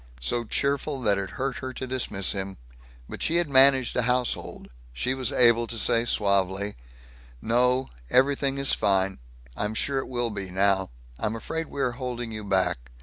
so cheerful that it hurt her to dismiss him. But she had managed a household. She was able to say suavely: "No, everything is fine. I'm sure it will be, now. I'm afraid we are holding you back.